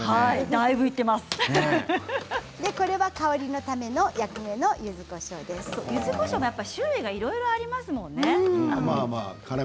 これは香りのためのゆずこしょうも種類がありますよね。